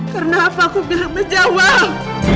karena aku peduli tapi jauh